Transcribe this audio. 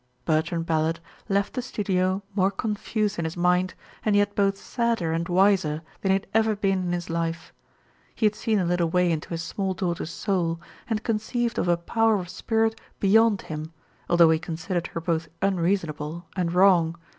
Bertrand Ballard left the studio more confused in his mind, and yet both sadder and wiser then he had ever been in his life. He had seen a little way into his small daughter's soul, and conceived of a power of spirit beyond him, although he considered her both unreasonable and wrong.